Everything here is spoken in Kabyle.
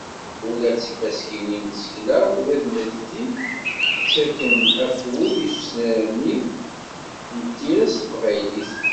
Ula d tifaskiwin n tsekla, ula d nutenti, ttakken afud i usnerni n tira s Teqbaylit.